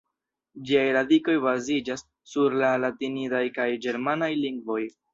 Ĝiaj radikoj baziĝas sur la latinidaj kaj ĝermanaj lingvoj.